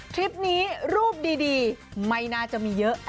คลิปนี้รูปดีไม่น่าจะมีเยอะ